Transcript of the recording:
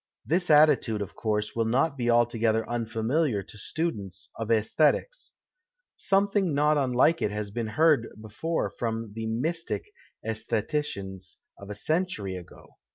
This attitude, of course, will not be altogether unfamiliar to students of aesthetics. Something not unlike it has been heard before from the " mystic " aestheticians of a century ago.